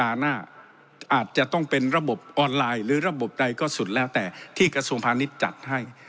อาจจะต้องเป็นระบบออนไลน์หรือระบบใดก็สุดแล้วแต่ที่กระทรวงพาณิชย์จัดให้